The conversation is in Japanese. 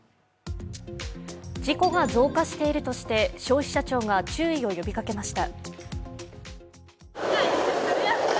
事故が増加しているとして消費者庁が注意を呼びかけました。